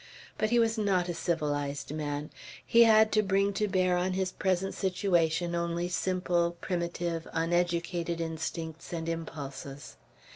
But he was not a civilized man; he had to bring to bear on his present situation only simple, primitive, uneducated instincts and impulses.